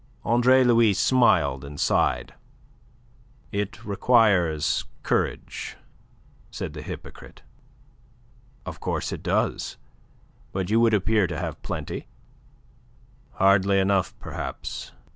Andre Louis smiled and sighed. "It requires courage," said the hypocrite. "Of course it does. But you would appear to have plenty." "Hardly enough, perhaps.